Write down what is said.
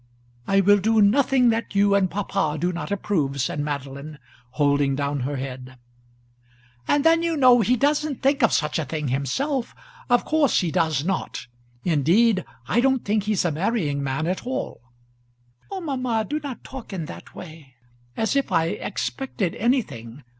"I will do nothing that you and papa do not approve," said Madeline, holding down her head. "And then you know he doesn't think of such a thing himself of course he does not. Indeed, I don't think he's a marrying man at all." "Oh, mamma, do not talk in that way; as if I expected anything.